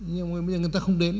nhưng mà bây giờ người ta không đến